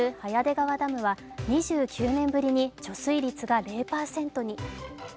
川ダムは２９年ぶりに貯水率が０％に。